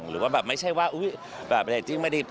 หรือว่าแบบไม่ใช่ว่าอุ๊ยแบบเรจิ้งไม่ได้